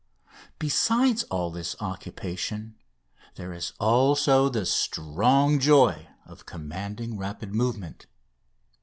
Besides all this occupation there is also the strong joy of commanding rapid movement.